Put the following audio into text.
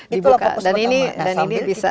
dan ini bisa meningkatkan kesehatan